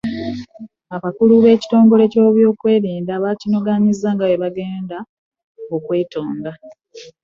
Abakulu b'ebitongole by'ebyokwerinda bakinogaanyizza nga bwe batagenda kwetonda.